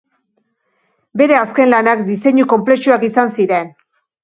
Bere azken lanak diseinu konplexuak izan ziren.